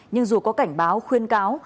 nhưng dù có cảnh báo khuyên cáo